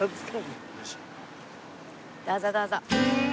どうぞどうぞ。